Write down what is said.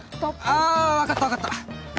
あ分かった分かった。